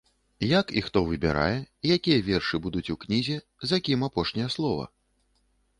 Як і хто выбірае, якія вершы будуць у кнізе, за кім апошняе слова?